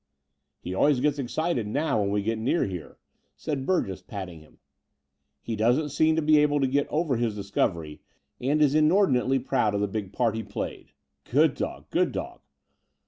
He always gets excited now when we get near here," said Burgess, patting him. He doesn't seem to be able to get over his discovery, and is inordinately proud of the big part he played. Good dog, good dog."